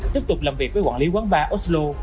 tiếp tục làm việc với quản lý quán ba oslo